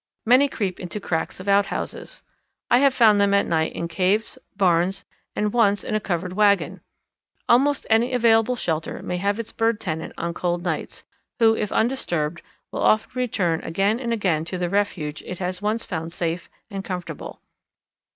Many creep into cracks of outhouses. I have found them at night in caves, barns, and once in a covered wagon. Almost any available shelter may have its bird tenant on cold nights, who if undisturbed will often return again and again to the refuge it has once found safe and comfortable.